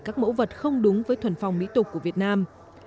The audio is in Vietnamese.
các mẫu vật không đúng với thuần phòng mỹ tục của việt nam